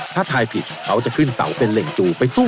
ถ้าทายผิดเขาจะขึ้นเสาเป็นเหล่งจูไปสู้